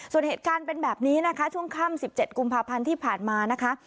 ส่วนเหตุการณ์เป็นแบบนี้นะคะช่วงค่ำ๑๗กุมภาพันธ์ที่ผ่านมานะคะ